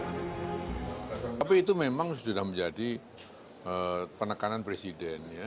tapi itu memang sudah menjadi penekanan presiden ya